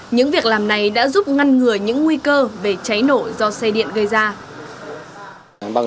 những việc làm này đã giúp ngăn ngừa những nguy cơ về cháy nổ do xe điện gây ra